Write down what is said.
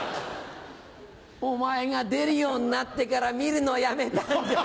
お前が出るようになってから見るのやめたんじゃ。